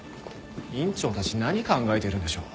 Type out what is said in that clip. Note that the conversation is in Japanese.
院長たち何考えてるんでしょう。